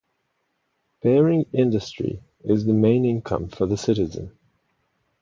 Bearing industry is the main income for the citizen.